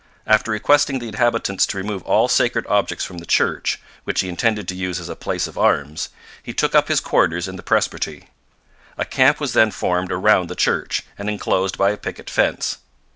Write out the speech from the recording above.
After requesting the inhabitants to remove all sacred objects from the church, which he intended to use as a place of arms, he took up his quarters in the presbytery. A camp was then formed around the church, and enclosed by a picket fence.